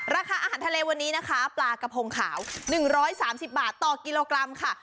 ราคาอาหารทะเลวันนี้นะคะปลากระพงขาว๑๓๐บาทต่อกิโลกรัมค่ะ